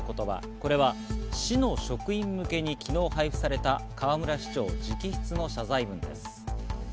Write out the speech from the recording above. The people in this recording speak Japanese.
これは市の職員向けに昨日配布された河村市長直筆の謝罪文です。